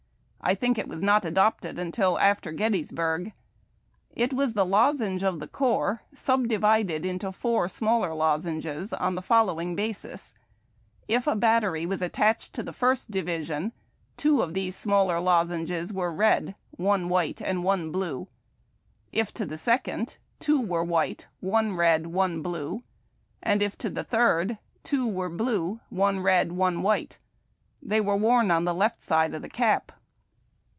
I think it was not adopted until after Getty s buig. It was the lozenge of tlie corps subdivided into four smaller lozenges, on the following basis : If a batter}^ was attached to the first division, two of these smaller lozenges were red, one white, and one blue ; if to the second, two were white, one red, and one blue ; and if to the third, two were blue, one red, and one white. They were worn on the left side of the cap.